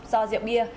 do rượu bia